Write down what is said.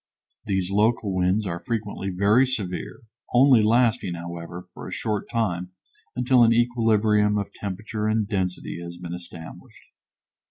These local winds are frequently very severe, only lasting, however, for a short time, until an equilibrium of temperature and density has been established.